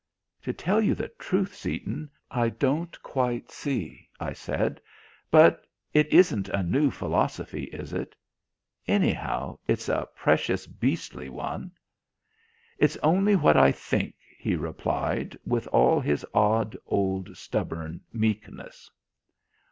"To tell you the truth, Seaton, I don't quite see," I said; "but it isn't a new philosophy, is it? Anyhow, it's a precious beastly one." "It's only what I think," he replied, with all his odd old stubborn meekness.